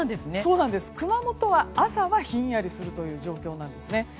熊本は朝はひんやりするという状況なんですね。